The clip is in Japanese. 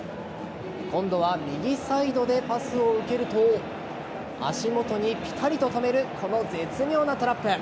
今度は右サイドでパスを受けると足元にピタリと止めるこの絶妙なトラップ。